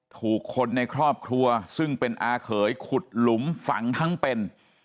ถูกคนในครอบครัวซึ่งเป็นอาเขยขุดหลุมฝังทั้งเป็น